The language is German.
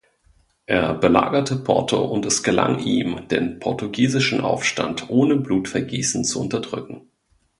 Er belagerte Porto und es gelang ihm, den portugiesischen Aufstand ohne Blutvergießen zu unterdrücken.